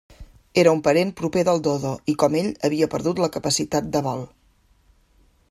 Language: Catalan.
Era un parent proper del dodo i, com ell, havia perdut la capacitat de vol.